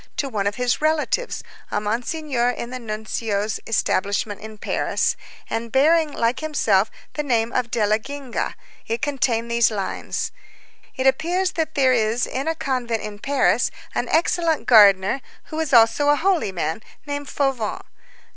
to one of his relatives, a Monsignor in the Nuncio's establishment in Paris, and bearing, like himself, the name of Della Genga; it contained these lines: "It appears that there is in a convent in Paris an excellent gardener, who is also a holy man, named Fauvent."